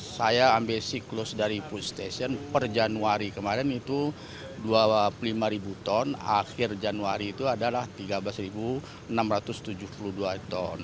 saya ambil siklus dari food station per januari kemarin itu dua puluh lima ton akhir januari itu adalah tiga belas enam ratus tujuh puluh dua ton